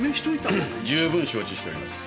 十分承知しております。